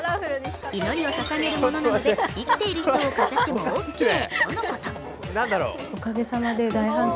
祈りをささげるものなので生きている人を飾ってもオッケー。